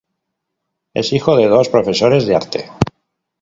Es hijo de dos profesores de arte.